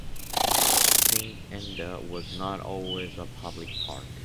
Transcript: Saint Enda's was not always a public park.